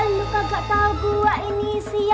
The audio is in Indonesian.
lo kagak tau gua ini siapa